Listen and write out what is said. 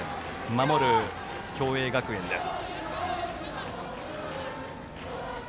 守る共栄学園です。